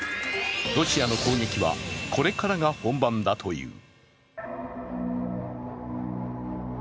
ロシアの攻撃はこれからが本番だという。